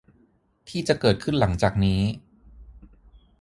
ที่จะเกิดขึ้นหลังจากนี้